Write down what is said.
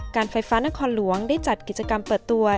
การไฟฟ้านครหลวงได้จัดกิจกรรมเปิดตัว